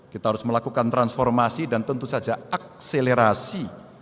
kita harus melakukan transformasi dan tentu saja akselerasi